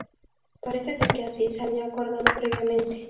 Parece ser que así se había acordado previamente.